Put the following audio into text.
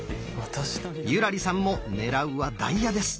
優良梨さんも狙うはダイヤです。